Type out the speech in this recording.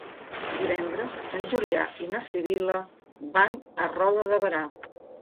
Divendres en Julià i na Sibil·la van a Roda de Berà.